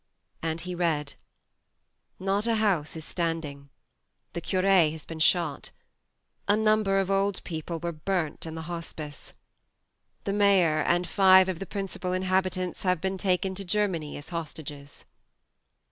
And he read :" Not a house is standing. The cur has been shot. A number of old people were burnt in the Hospice. The mayor and five of the principal in 16 THE MARNE habitants have been taken to Germany as hostages."